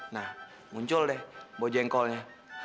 nah muncul deh bawa jengkolnya